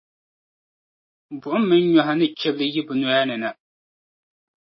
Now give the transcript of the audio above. buɣim mini nyɔhi ni chilibi yi bɛ noya ni na.